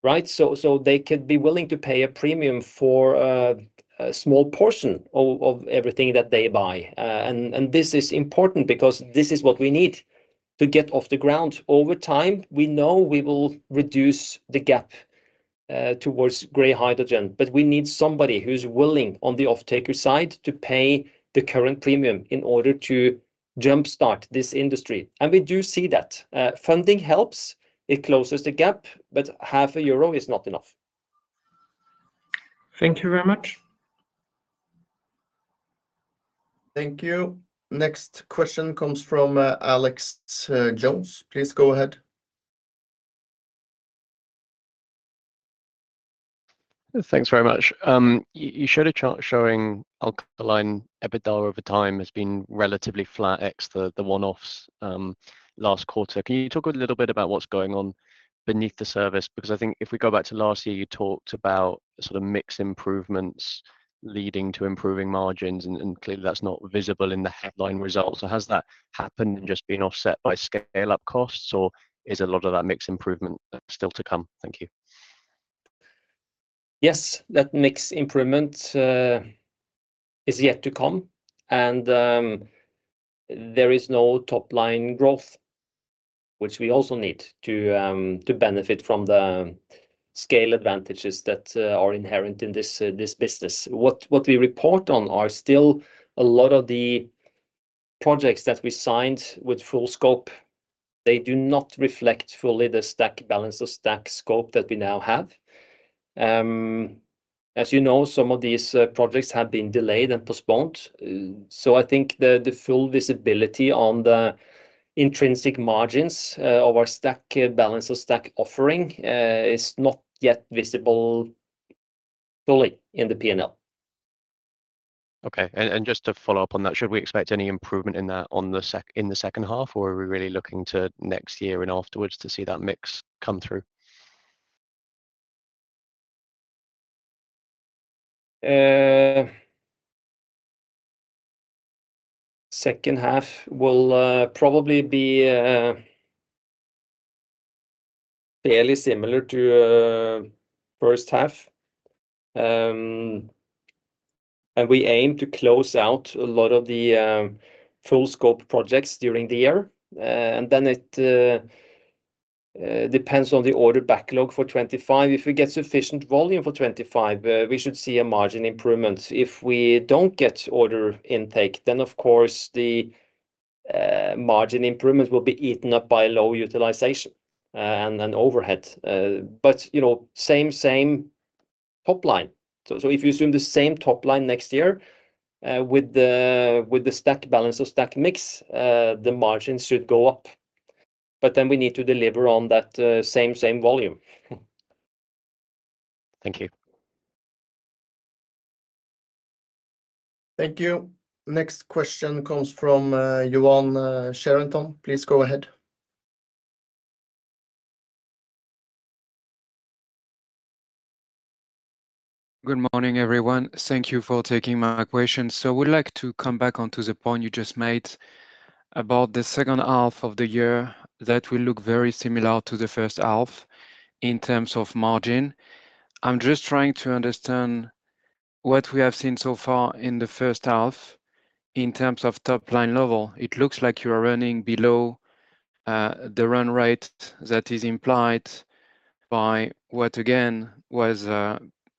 right? So they could be willing to pay a premium for a small portion of everything that they buy. And this is important because this is what we need to get off the ground. Over time, we know we will reduce the gap towards gray hydrogen, but we need somebody who's willing, on the offtaker side, to pay the current premium in order to jumpstart this industry, and we do see that. Funding helps. It closes the gap, but EUR 0.5 is not enough. Thank you very much. Thank you. Next question comes from, Alex Jones. Please go ahead. Thanks very much. You showed a chart showing alkaline EBITDA over time has been relatively flat ex the one-offs last quarter. Can you talk a little bit about what's going on beneath the surface? Because I think if we go back to last year, you talked about the sort of mix improvements leading to improving margins, and clearly that's not visible in the headline results. So has that happened and just been offset by scale-up costs, or is a lot of that mix improvement still to come? Thank you. Yes. That mix improvement is yet to come, and there is no top-line growth, which we also need to benefit from the scale advantages that are inherent in this business. What we report on are still a lot of the projects that we signed with full scope. They do not reflect fully the stack, balance of stack scope that we now have. As you know, some of these projects have been delayed and postponed. So I think the full visibility on the intrinsic margins of our stack, balance of stack offering is not yet visible fully in the P&L. Okay. And, and just to follow up on that, should we expect any improvement in that in the second half, or are we really looking to next year and afterwards to see that mix come through? Second half will probably be fairly similar to first half. We aim to close out a lot of the full scope projects during the year. Then it depends on the order backlog for 2025. If we get sufficient volume for 2025, we should see a margin improvement. If we don't get order intake, then, of course, the margin improvement will be eaten up by low utilization and then overhead. But, you know, same, same top line. If you assume the same top line next year, with the stack, balance of stack mix, the margins should go up. Then we need to deliver on that same, same volume. Thank you. Thank you. Next question comes from Yoann Charenton. Please go ahead. Good morning, everyone. Thank you for taking my question. So I would like to come back onto the point you just made about the second half of the year that will look very similar to the first half in terms of margin. I'm just trying to understand what we have seen so far in the first half in terms of top-line level. It looks like you're running below the run rate that is implied by what, again, was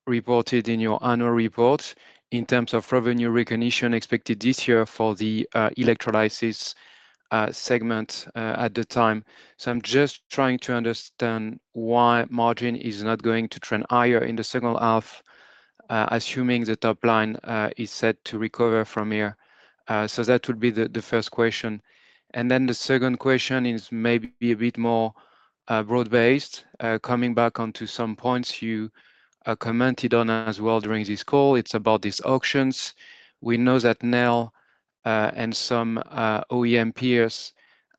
reported in your annual report in terms of revenue recognition expected this year for the electrolysis segment at the time. So I'm just trying to understand why margin is not going to trend higher in the second half, assuming the top line is set to recover from here. So that would be the first question. And then the second question is maybe a bit more, broad-based, coming back onto some points you, commented on as well during this call. It's about these auctions. We know that now, and some, OEM peers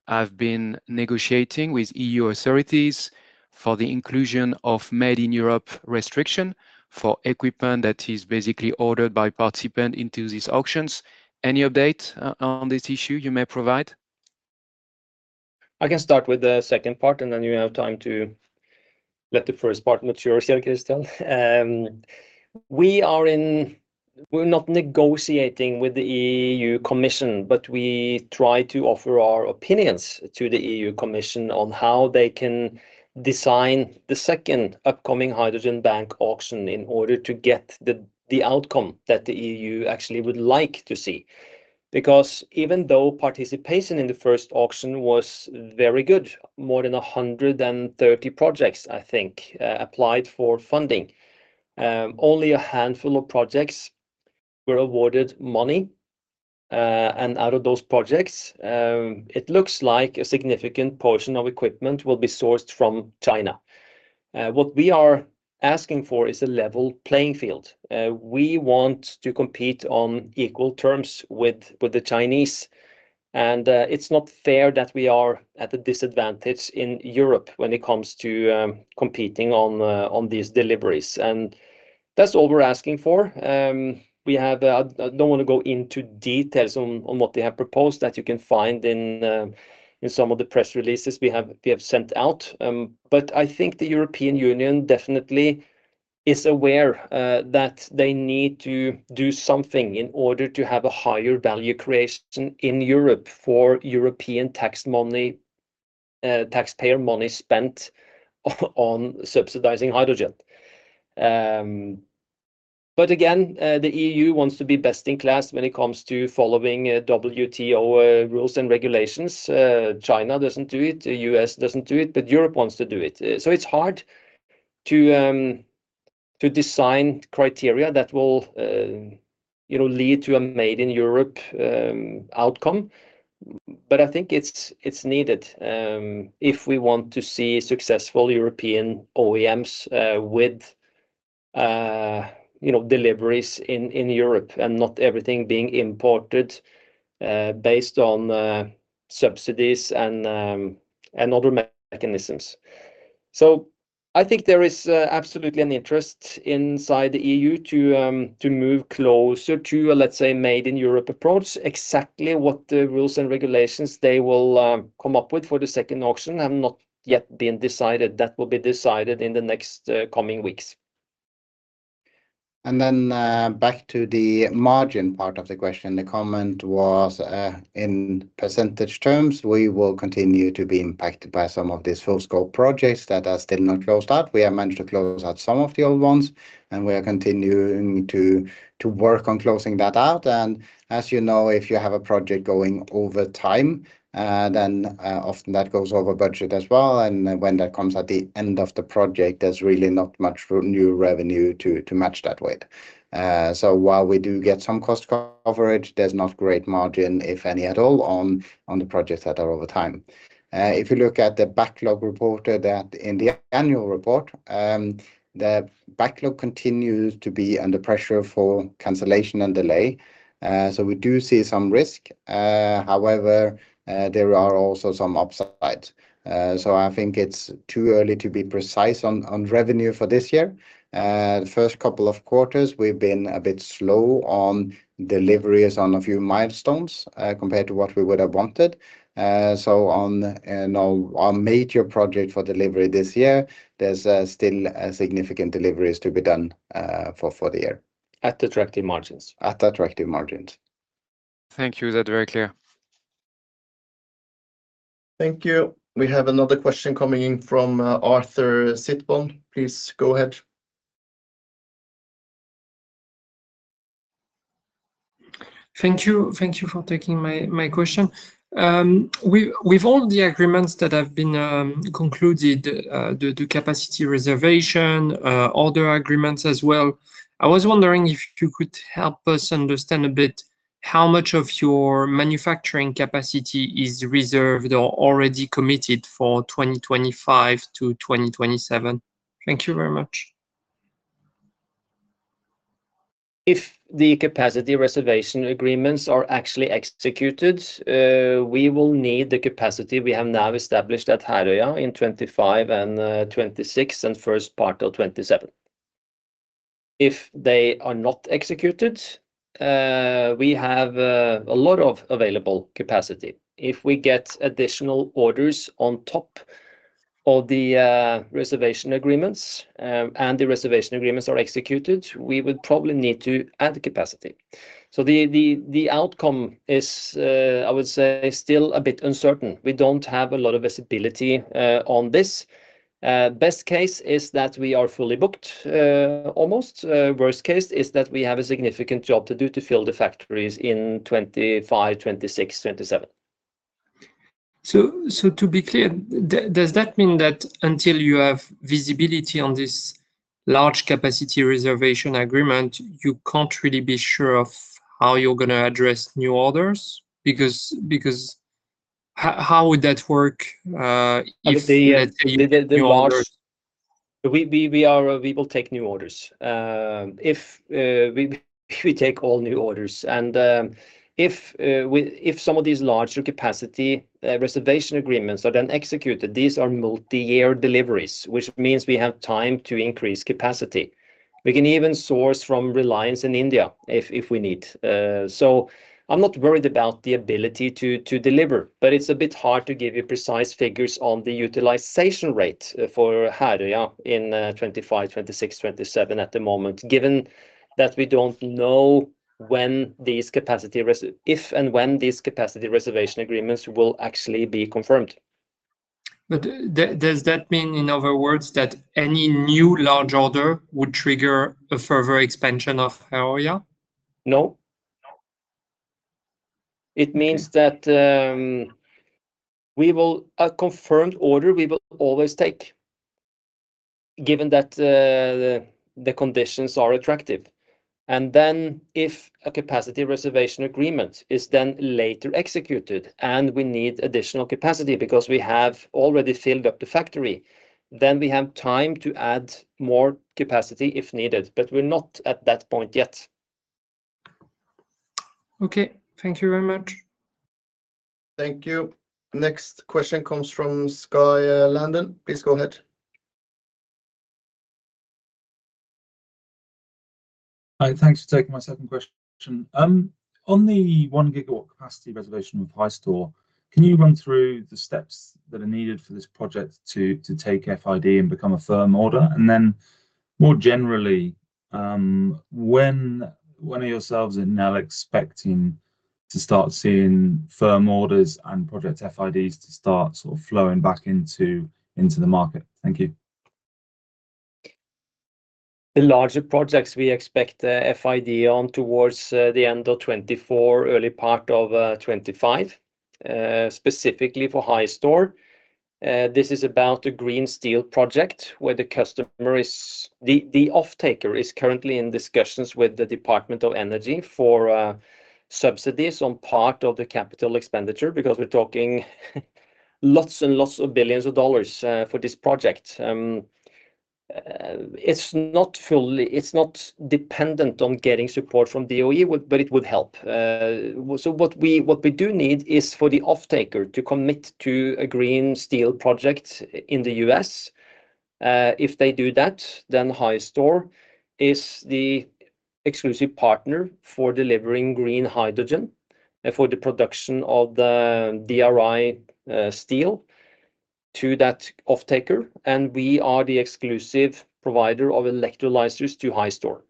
have been negotiating with EU authorities for the inclusion of made in Europe restriction for equipment that is basically ordered by participant into these auctions. Any update on this issue you may provide? I can start with the second part, and then you have time to let the first part mature, Kjell Christian. We're not negotiating with the EU Commission, but we try to offer our opinions to the EU Commission on how they can design the second upcoming Hydrogen Bank auction in order to get the, the outcome that the EU actually would like to see. Because even though participation in the first auction was very good, more than 130 projects, I think, applied for funding, only a handful of projects were awarded money. And out of those projects, it looks like a significant portion of equipment will be sourced from China. What we are asking for is a level playing field. We want to compete on equal terms with, with the Chinese.... It's not fair that we are at a disadvantage in Europe when it comes to competing on these deliveries. That's all we're asking for. We have... I don't wanna go into details on what they have proposed, that you can find in some of the press releases we have sent out. But I think the European Union definitely is aware that they need to do something in order to have a higher value creation in Europe for European tax money, taxpayer money spent on subsidizing hydrogen. But again, the EU wants to be best in class when it comes to following WTO rules and regulations. China doesn't do it, the U.S. doesn't do it, but Europe wants to do it. So it's hard to design criteria that will, you know, lead to a made in Europe outcome. But I think it's, it's needed, if we want to see successful European OEMs, with, you know, deliveries in, in Europe, and not everything being imported, based on, subsidies and, and other mechanisms. So I think there is, absolutely an interest inside the EU to, to move closer to a, let's say, made in Europe approach. Exactly what the rules and regulations they will, come up with for the second auction have not yet been decided. That will be decided in the next, coming weeks. And then, back to the margin part of the question. The comment was, in percentage terms, we will continue to be impacted by some of these full-scope projects that are still not closed out. We have managed to close out some of the old ones, and we are continuing to work on closing that out. And as you know, if you have a project going over time, then, often that goes over budget as well. And when that comes at the end of the project, there's really not much new revenue to match that with. So while we do get some cost coverage, there's not great margin, if any, at all, on the projects that are over time. If you look at the backlog report that in the annual report, the backlog continues to be under pressure for cancellation and delay, so we do see some risk. However, there are also some upsides. So I think it's too early to be precise on, on revenue for this year. The first couple of quarters, we've been a bit slow on deliveries on a few milestones, compared to what we would have wanted. So on, now, our major project for delivery this year, there's, still significant deliveries to be done, for, for the year. At attractive margins. At attractive margins. Thank you. That's very clear. Thank you. We have another question coming in from, Arthur Sitbon. Please go ahead. Thank you. Thank you for taking my, my question. With, with all the agreements that have been concluded, due to capacity reservation, other agreements as well, I was wondering if you could help us understand a bit how much of your manufacturing capacity is reserved or already committed for 2025-2027? Thank you very much. If the capacity reservation agreements are actually executed, we will need the capacity we have now established at Herøya in 2025 and 2026, and first part of 2027. If they are not executed, we have a lot of available capacity. If we get additional orders on top of the reservation agreements, and the reservation agreements are executed, we would probably need to add the capacity. So the outcome is, I would say, still a bit uncertain. We don't have a lot of visibility on this. Best case is that we are fully booked, almost. Worst case is that we have a significant job to do to fill the factories in 2025, 2026, 2027. So, to be clear, does that mean that until you have visibility on this large capacity reservation agreement, you can't really be sure of how you're gonna address new orders? Because how would that work, if the- The large- New orders. We will take new orders. We take all new orders. If some of these larger capacity reservation agreements are then executed, these are multi-year deliveries, which means we have time to increase capacity. We can even source from Reliance in India if we need. So I'm not worried about the ability to deliver, but it's a bit hard to give you precise figures on the utilization rate for Herøya in 2025, 2026, 2027 at the moment, given that we don't know if and when these capacity reservation agreements will actually be confirmed. But does that mean, in other words, that any new large order would trigger a further expansion of Herøya? No. It means that a confirmed order, we will always take, given that the conditions are attractive. And then if a capacity reservation agreement is then later executed, and we need additional capacity because we have already filled up the factory, then we have time to add more capacity if needed. But we're not at that point yet.... Okay, thank you very much. Thank you. Next question comes from Skye Landon. Please go ahead. Hi, thanks for taking my second question. On the 1 GW capacity reservation with Hy Stor, can you run through the steps that are needed for this project to take FID and become a firm order? And then more generally, when are yourselves and Nel expecting to start seeing firm orders and project FIDs to start sort of flowing back into the market? Thank you. The larger projects we expect FID on towards the end of 2024, early part of 2025. Specifically for Hy Stor, this is about the green steel project, where the customer is... The offtaker is currently in discussions with the Department of Energy for subsidies on part of the capital expenditure, because we're talking lots and lots of billions of dollars for this project. It's not fully- it's not dependent on getting support from DOE, but it would help. So what we, what we do need is for the offtaker to commit to a green steel project in the U.S. If they do that, then Hy Stor is the exclusive partner for delivering green hydrogen for the production of the DRI steel to that offtaker, and we are the exclusive provider of electrolyzers to Hy Stor.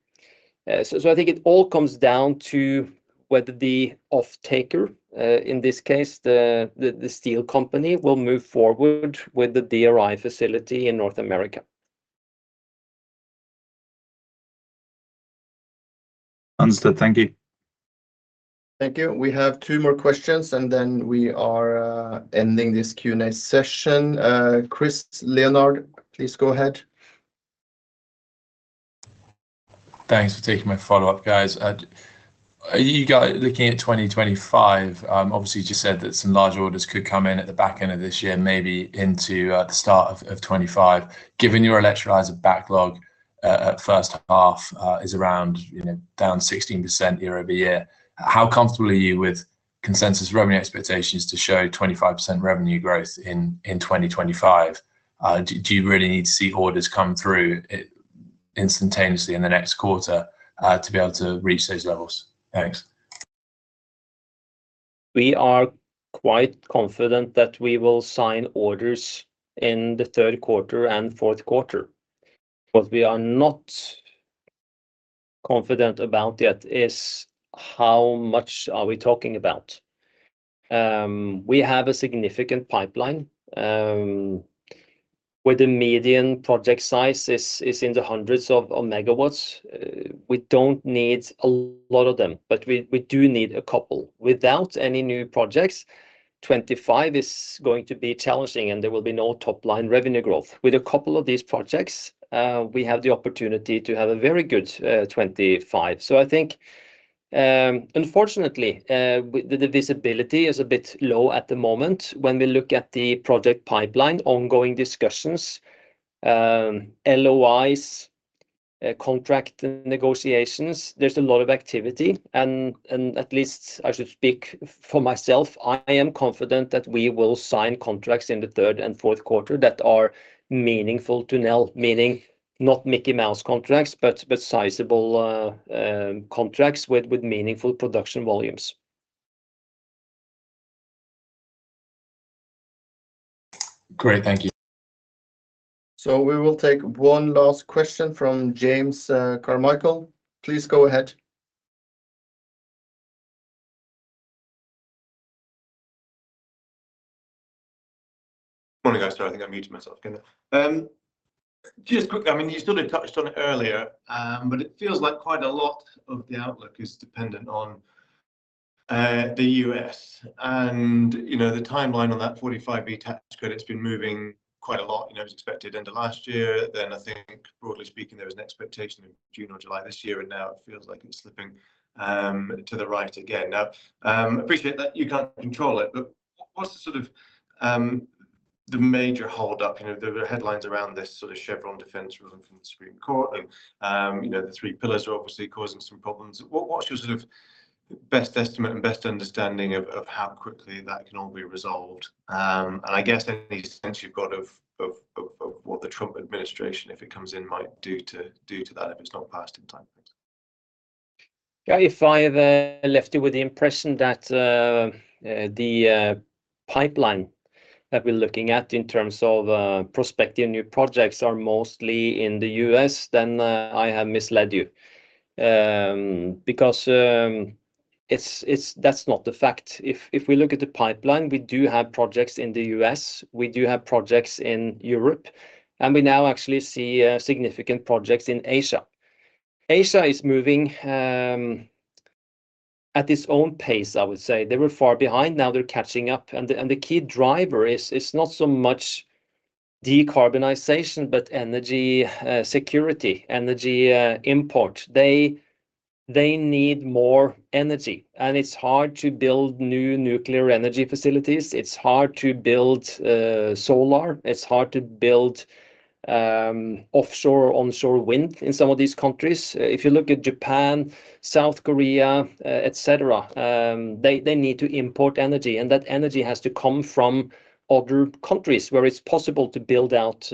So, I think it all comes down to whether the offtaker, in this case, the steel company, will move forward with the DRI facility in North America. Understood. Thank you. Thank you. We have two more questions, and then we are ending this Q&A session. Chris Leonard, please go ahead. Thanks for taking my follow-up, guys. You guys, looking at 2025, obviously you just said that some large orders could come in at the back end of this year, maybe into the start of 2025. Given your electrolyzer backlog at first half is around, you know, down 16% year-over-year, how comfortable are you with consensus revenue expectations to show 25% revenue growth in 2025? Do you really need to see orders come through instantaneously in the next quarter to be able to reach those levels? Thanks. We are quite confident that we will sign orders in the third quarter and fourth quarter. What we are not confident about yet is how much are we talking about? We have a significant pipeline, where the median project size is in the hundreds of megawatts. We don't need a lot of them, but we do need a couple. Without any new projects, 2025 is going to be challenging, and there will be no top-line revenue growth. With a couple of these projects, we have the opportunity to have a very good 2025. So I think, unfortunately, the visibility is a bit low at the moment when we look at the project pipeline, ongoing discussions, LOIs, contract negotiations. There's a lot of activity and at least I should speak for myself, I am confident that we will sign contracts in the third and fourth quarter that are meaningful to Nel, meaning not Mickey Mouse contracts, but sizable contracts with meaningful production volumes. Great. Thank you. So we will take one last question from James Carmichael. Please go ahead. Morning, guys. Sorry, I think I muted myself then. Just quickly, I mean, you sort of touched on it earlier, but it feels like quite a lot of the outlook is dependent on the U.S. And, you know, the timeline on that 45V tax credit's been moving quite a lot, you know, as expected end of last year. Then I think broadly speaking, there was an expectation in June or July this year, and now it feels like it's slipping to the right again. Now, appreciate that you can't control it, but what's the sort of the major hold-up? You know, there were headlines around this sort of Chevron deference ruling from the Supreme Court, and, you know, the three pillars are obviously causing some problems. What's your sort of best estimate and best understanding of how quickly that can all be resolved? And I guess any sense you've got of what the Trump administration, if it comes in, might do to that if it's not passed in time, thanks. Yeah, if I left you with the impression that the pipeline that we're looking at in terms of prospecting new projects are mostly in the U.S., then I have misled you. Because it's, that's not the fact. If we look at the pipeline, we do have projects in the U.S., we do have projects in Europe, and we now actually see significant projects in Asia. Asia is moving at its own pace, I would say. They were far behind, now they're catching up, and the key driver is, it's not so much decarbonization, but energy security, energy import. They need more energy, and it's hard to build new nuclear energy facilities. It's hard to build solar. It's hard to build offshore or onshore wind in some of these countries. If you look at Japan, South Korea, et cetera, they need to import energy, and that energy has to come from other countries where it's possible to build out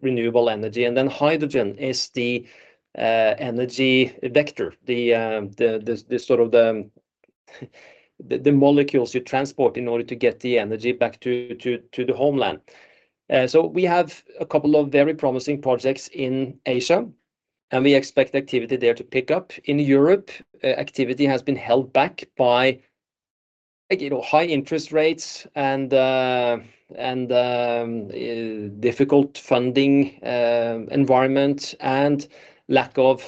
renewable energy. And then hydrogen is the energy vector, the sort of the molecules you transport in order to get the energy back to the homeland. So we have a couple of very promising projects in Asia, and we expect activity there to pick up. In Europe, activity has been held back by, you know, high interest rates and difficult funding environment and lack of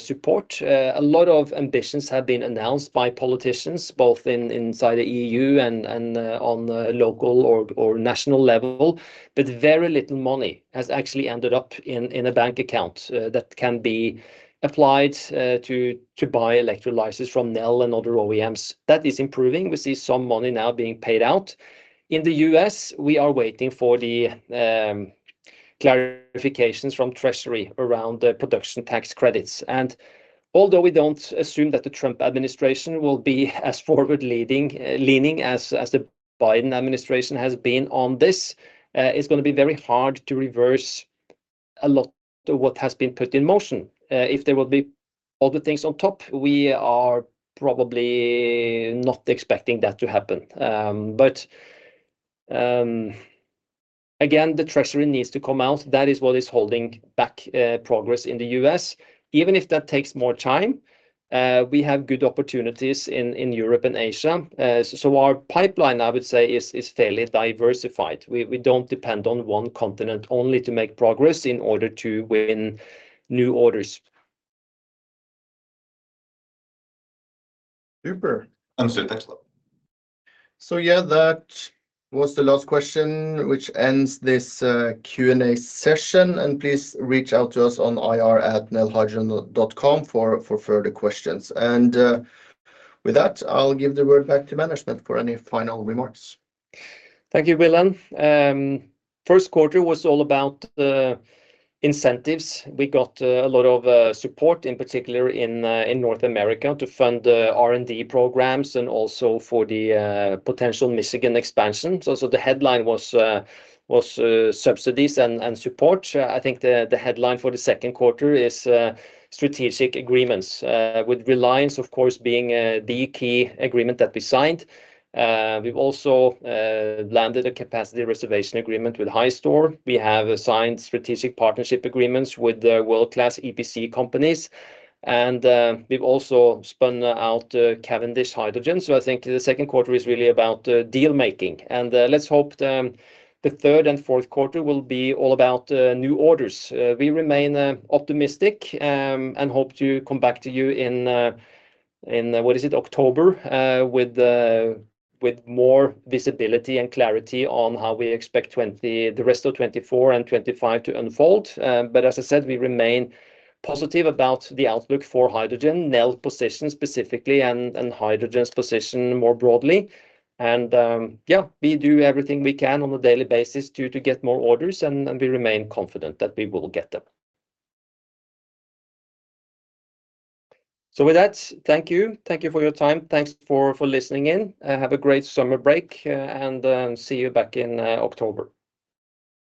support. A lot of ambitions have been announced by politicians, both inside the EU and on the local or national level, but very little money has actually ended up in a bank account that can be applied to buy electrolyzers from Nel and other OEMs. That is improving. We see some money now being paid out. In the U.S., we are waiting for the clarifications from Treasury around the production tax credits. And although we don't assume that the Trump administration will be as forward-leaning as the Biden administration has been on this, it's gonna be very hard to reverse a lot of what has been put in motion. If there will be other things on top, we are probably not expecting that to happen. But again, the Treasury needs to come out. That is what is holding back progress in the U.S. Even if that takes more time, we have good opportunities in Europe and Asia. So our pipeline, I would say, is fairly diversified. We don't depend on one continent only to make progress in order to win new orders. Super. Understood. Thanks a lot. So yeah, that was the last question, which ends this Q&A session, and please reach out to us on ir@nelhydrogen.com for further questions. With that, I'll give the word back to management for any final remarks. Thank you, Wilhelm. First quarter was all about the incentives. We got a lot of support, in particular in North America to fund the R&D programs and also for the potential Michigan expansion. So the headline was subsidies and support. I think the headline for the second quarter is strategic agreements with Reliance, of course, being the key agreement that we signed. We've also landed a capacity reservation agreement with Hy Stor. We have assigned strategic partnership agreements with the world-class EPC companies, and we've also spun out Cavendish Hydrogen. So I think the second quarter is really about deal making. And let's hope the third and fourth quarter will be all about new orders. We remain optimistic and hope to come back to you in October with more visibility and clarity on how we expect the rest of 2024 and 2025 to unfold. But as I said, we remain positive about the outlook for hydrogen, Nel's position specifically, and hydrogen's position more broadly. We do everything we can on a daily basis to get more orders, and we remain confident that we will get them. With that, thank you. Thank you for your time. Thanks for listening in, and have a great summer break, and see you back in October.